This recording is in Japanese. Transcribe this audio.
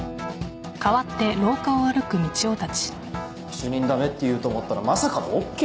主任駄目って言うと思ったらまさかのＯＫ？